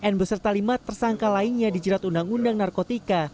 n beserta lima tersangka lainnya dijerat undang undang narkotika